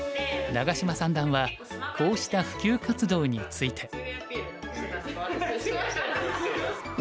長島三段はこうした普及活動について。